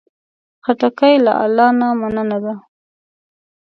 خټکی له الله نه مننه ده.